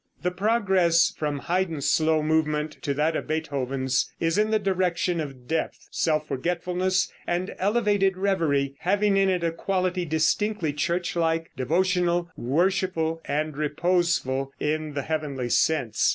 The progress from Haydn's slow movement to that of Beethoven is in the direction of depth, self forgetfulness, and elevated reverie, having in it a quality distinctly church like, devotional, worshipful and reposeful in the heavenly sense.